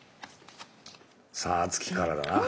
さあ敦貴からだな。